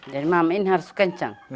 jadi mama ini harus kencang